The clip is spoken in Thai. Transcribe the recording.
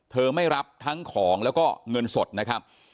ไม่รับทั้งของแล้วก็เงินสดนะครับ